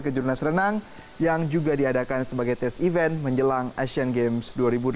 kejurnas renang yang juga diadakan sebagai tes event menjelang asian games dua ribu delapan belas